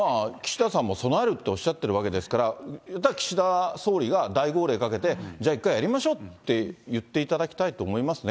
岸田さんも備えるとおっしゃっていますけれども、岸田総理が大号令かけて、じゃあ、一回やりましょうって言っていただきたいと思いますね。